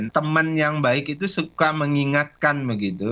teman yang baik itu suka mengingatkan begitu